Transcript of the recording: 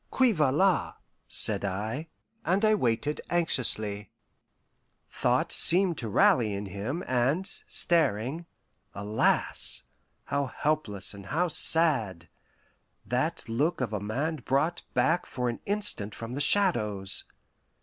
"Qui va la?" said I, and I waited anxiously. Thought seemed to rally in him, and, staring alas! how helpless and how sad: that look of a man brought back for an instant from the Shadows!